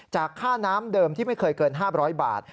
ค่าน้ำเดิมที่ไม่เคยเกิน๕๐๐บาท